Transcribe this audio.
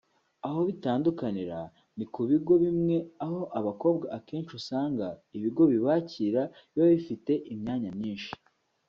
aho bitandukanira ni ku bigo bimwe aho abakobwa akenshi usanga ibigo bibakira biba bifite imyanya myinshi